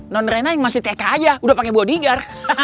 non rena yang masih teka aja udah pake bodigar